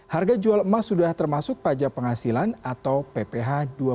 harga jual emas sudah termasuk pajak penghasilan atau pph dua puluh